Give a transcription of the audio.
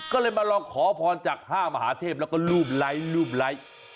ก็เลยมาลองขอพรจาก๕มหาเทพแล้วก็รูปไลค์รูปไลค์